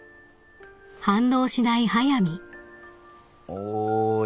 おい。